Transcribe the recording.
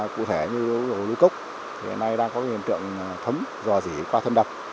cụ thể như hồ núi cốc hiện nay đang có hiện tượng thấm dò dỉ qua thân đập